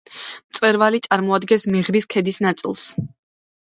მწვერვალი წარმოადგენს მეღრის ქედის ნაწილს.